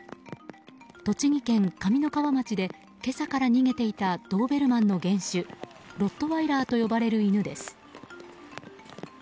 栃木県上三川町で今朝から逃げていたドーベルマンの原種ロットワイラーと呼ばれる犬です。